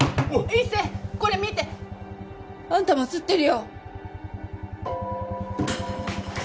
一星これ見て！あんたも写ってるよ！